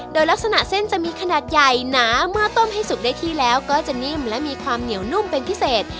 โดยลักษณะเส้นจะมีขนาดใหญ่หนาเมื่อต้มให้สุกได้ที่แล้วก็จะนิ่มและมีความเหนียวนุ่มเป็นพิเศษ